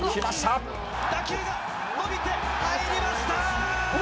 打球が伸びて、入りましたー！